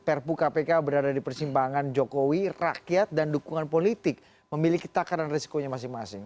perpu kpk berada di persimpangan jokowi rakyat dan dukungan politik memiliki takaran risikonya masing masing